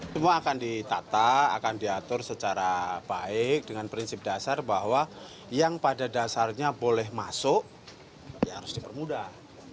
semua akan ditata akan diatur secara baik dengan prinsip dasar bahwa yang pada dasarnya boleh masuk ya harus dipermudah